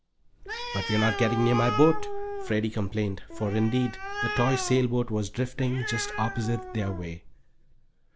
"But we are not getting near my boat," Freddie complained, for indeed the toy sailboat was drifting just opposite their way.